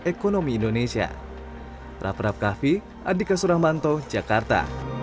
ekonomi indonesia rap rap kahfi adhika suramanto jakarta